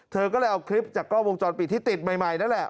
เธอก็เลยเอาคลิปจากกล้องวงจรปิดที่ติดใหม่นั่นแหละ